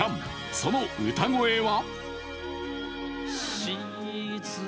その歌声は？